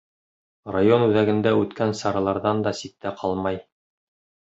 Район үҙәгендә үткән сараларҙан да ситтә ҡалмай.